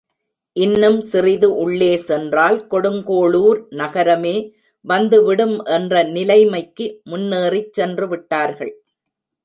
இன்னும் சிறிது உள்ளே சென்றால் கொடுங்கோளூர் நகரமே வந்து விடும் என்ற நிலைமைக்கு முன்னேறிச் சென்று விட்டார்கள்.